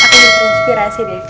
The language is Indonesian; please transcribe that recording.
aku jadi inspirasi deh